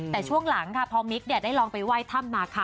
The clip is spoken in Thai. แต่ช่วงหลังค่ะพอมิ๊กได้ลองไปไหว้ถ้ำมาค่ะ